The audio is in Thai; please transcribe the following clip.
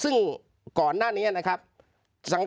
เจ้าหน้าที่แรงงานของไต้หวันบอก